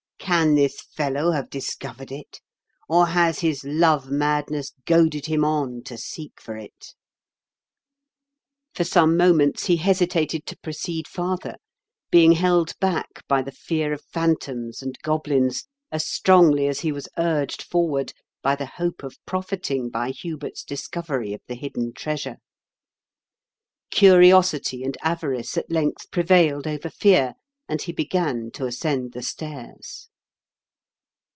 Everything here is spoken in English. Can this fellow have discovered it, or has his love madness goaded him on to seek for it ?" For some moments he hesitated to proceed farther, being held back by the fear of phantoms and goblins as strongly as he was urged for ward by the hope of profiting by Hubert's discovery of the hidden treasure. Curiosity and avarice at length prevailed over fear, and he began to ascend the stairs.